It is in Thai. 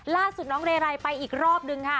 ล่าสุดน้องเรไรไปอีกรอบนึงค่ะ